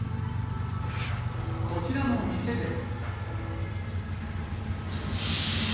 こちらの店では。